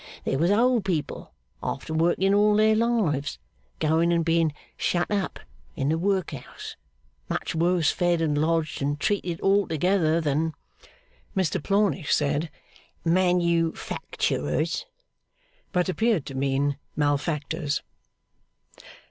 There was old people, after working all their lives, going and being shut up in the workhouse, much worse fed and lodged and treated altogether, than Mr Plornish said manufacturers, but appeared to mean malefactors.